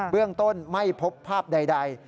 เรื่องต้นไม่พบภาพใด